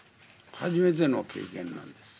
初めての経験なんです。